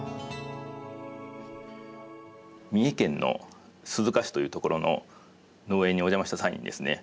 三重県の鈴鹿市という所の農園にお邪魔した際にですね